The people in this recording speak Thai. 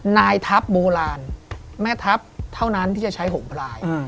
นายทัพโบราณแม่ทัพเท่านั้นที่จะใช้๖ลาย